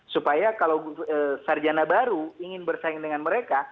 supaya kalau sarjana baru ingin bersaing dengan mereka